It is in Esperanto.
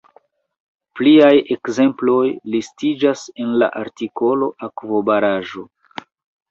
Pliaj ekzemploj listiĝas en la artikolo akvobaraĵo.